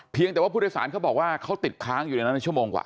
แต่ว่าผู้โดยสารเขาบอกว่าเขาติดค้างอยู่ในนั้นในชั่วโมงกว่า